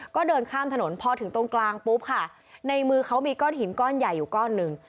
ก็เดินข้ามถนนพอถึงตรงกลางปุ๊บค่ะในมือเขามีก้อนหินก้อนใหญ่อยู่ก้อนหนึ่ง